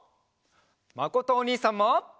まことおにいさんも！